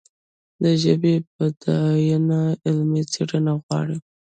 د ژبې بډاینه علمي څېړنې غواړي.